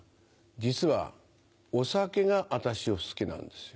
実はお酒が私を好きなんですよ。